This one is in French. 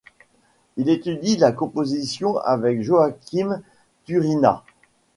Il étudie la composition avec Joaquín Turina.